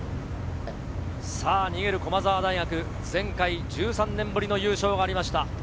逃げる駒澤大学、前回１３年ぶりの優勝がありました。